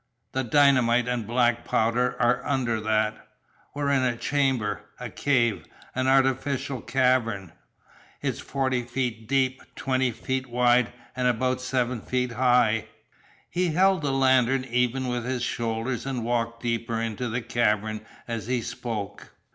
The dynamite and black powder are under that. We're in a chamber a cave an artificial cavern. It's forty feet deep, twenty wide, and about seven high." He held the lantern even with his shoulders and walked deeper into the cavern as he spoke.